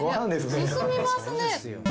進みますね。